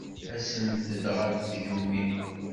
Asemt-d ɣer tgemmi.